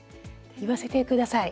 言わせて下さい。